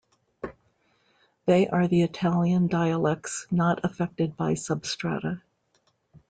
They are the Italian dialects not affected by substrata.